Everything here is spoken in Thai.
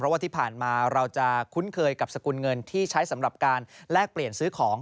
ว่าที่ผ่านมาเราจะคุ้นเคยกับสกุลเงินที่ใช้สำหรับการแลกเปลี่ยนซื้อของ